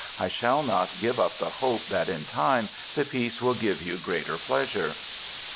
I shall not give up the hope that in time the piece will give you greater pleasure."